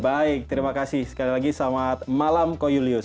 baik terima kasih sekali lagi selamat malam ko julius